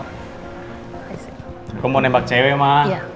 aku mau nembak cewek ma